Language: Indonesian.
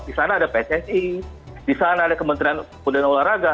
di sana ada pssi di sana ada kementerian pemuda dan olahraga